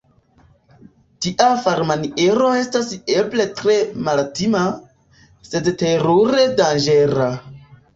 Tia farmaniero estas eble tre maltima, sed terure danĝera.